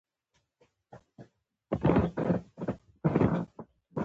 کوچنی دماغ له دوو نیمو کرو څخه جوړ شوی دی.